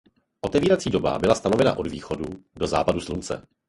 Otevírací doba byla stanovena od východu do západu slunce.